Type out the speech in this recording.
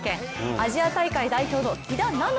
アジア大会代表の貴田菜ノ